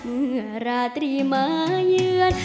เมื่อราตรีมายืน